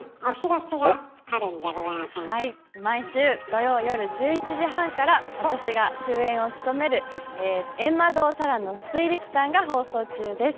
毎週土曜夜１１時半から私が主演を務める「閻魔堂沙羅の推理奇譚」が放送中です。